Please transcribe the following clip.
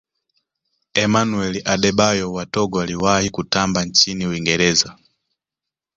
emmanuel adebayor wa togo aliwahi kutamba nchini uingereza